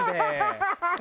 ハハハハ！